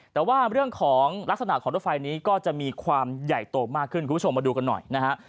แต่ว่าเรื่องของลักษณะของรถไฟนี้ก็จะมีความใหญ่โตมากขึ้นคุณผู้ชมมาดูกันหน่อยนะฮะ